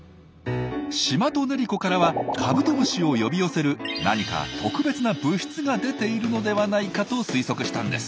シマトネリコからはカブトムシを呼び寄せる何か特別な物質が出ているのではないかと推測したんです。